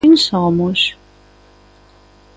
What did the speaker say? ¿Quen somos?